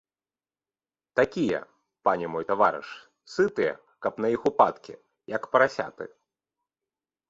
Такія, пане мой, таварыш, сытыя, каб на іх упадкі, як парасяты.